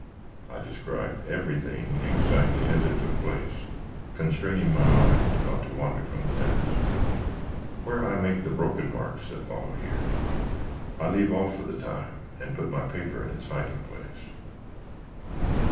I describe everything exactly as it took place, constraining my mind not to wander from the task. Where I make the broken marks that follow here, I leave off for the time, and put my paper in its hiding place....